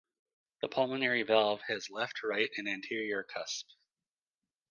The pulmonary valve has left, right, and anterior cusps.